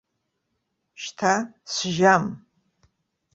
Шьҭа сжьам.